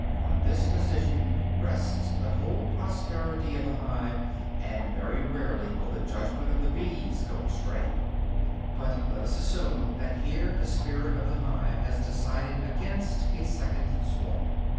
On this decision rests the whole prosperity of the hive; and very rarely will the judgment of the bees go astray. But let us assume that here the spirit of the hive has decided against a second swarm.